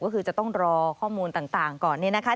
ก็คือจะต้องรอข้อมูลต่างก่อนเนี่ยนะคะ